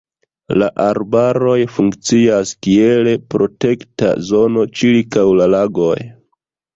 La arbaroj funkcias kiel protekta zono ĉirkaŭ la lagoj.